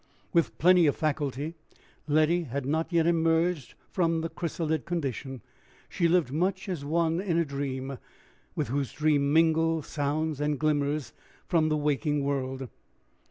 With plenty of faculty, Letty had not yet emerged from the chrysalid condition; she lived much as one in a dream, with whose dream mingle sounds and glimmers from the waking world.